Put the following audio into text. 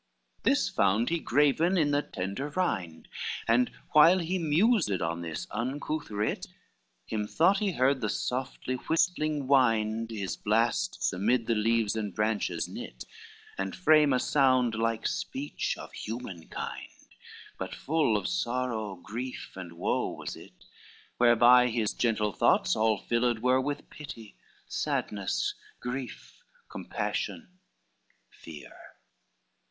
XL This found he graven in the tender rind, And while he mused on this uncouth writ, Him thought he heard the softly whistling wind His blasts amid the leaves and branches knit And frame a sound like speech of human kind, But full of sorrow grief and woe was it, Whereby his gentle thoughts all filled were With pity, sadness, grief, compassion, fear.